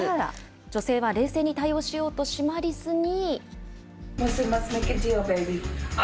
女性は冷静に対応しようと、シマリスに。